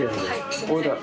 はい。